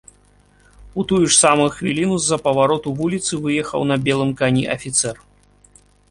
У тую ж самую хвіліну з-за павароту вуліцы выехаў на белым кані афіцэр.